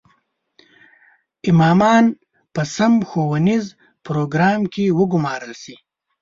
امامان په سم ښوونیز پروګرام کې وګومارل شي.